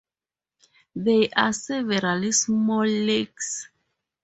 There are several small lakes.